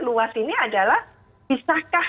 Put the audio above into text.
luas ini adalah bisakah